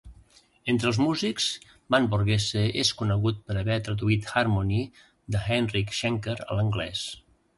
Entre els músics, Mann Borgese és conegut per haver traduït "Harmony", de Heinrich Schenker, a l'anglès.